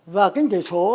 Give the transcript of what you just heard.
và kinh tế số